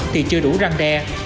thì chưa đủ răng đe